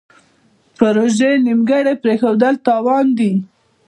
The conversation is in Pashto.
پروژې نیمګړې پریښودل تاوان دی.